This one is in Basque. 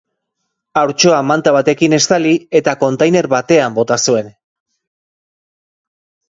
Haurtxoa manta batekin estali eta kontainer batean bota zuen.